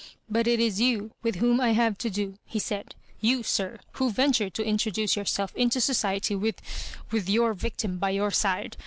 "But it is you with whom I have to do," he said; "you, sir, who venture to introduce yourself into society with — with your victim by your side.